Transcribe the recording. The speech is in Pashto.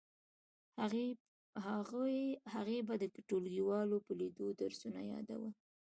هغې به د ټولګیوالو په لیدو درسونه یادول